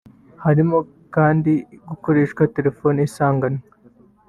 Harimo kandi gukoresha telefoni asanganwe